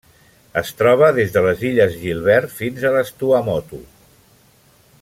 Es troba des de les Illes Gilbert fins a les Tuamotu.